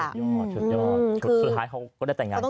ชุดยอดชุดสุดท้ายเขาก็ได้แต่งงานกัน